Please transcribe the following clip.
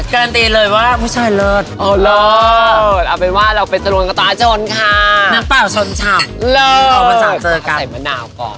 ก็ใส่มะนาวก่อน